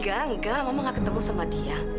nggak nggak mama nggak ketemu sama dia